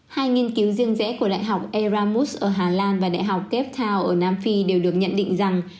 hai nghiên cứu riêng rẽ của đại học eramus ở hà lan và đại học cape town ở nam phi đều được nhận định rằng